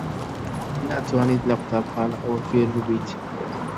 ناتوانیت لە قوتابخانە ئەوە فێر ببیت.